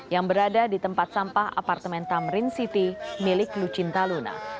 yang berada di tempat sampah apartemen tamrin city milik lucinta luna